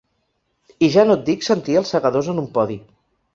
I ja no et dic sentir ‘Els segadors’ en un podi.